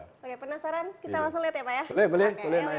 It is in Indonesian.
oke penasaran kita langsung lihat ya pak ya